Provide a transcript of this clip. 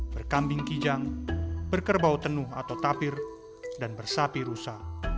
berkambing kijang berkerbau tenuh atau tapir dan bersapi rusa